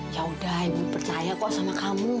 yaudah ini pertanyaan kok sama kamu